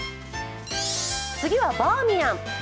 次はバーミヤン。